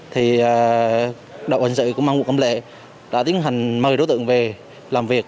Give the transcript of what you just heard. thì đội cảnh sát hình sự của công an quận cầm lệ đã tiến hành mời đối tượng về làm việc